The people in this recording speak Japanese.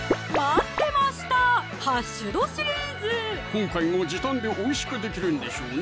今回も時短でおいしくできるんでしょうな